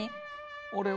俺は。